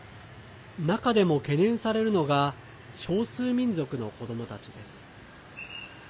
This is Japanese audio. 中でも懸念されるのが少数民族の子どもたちです。